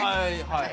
はい。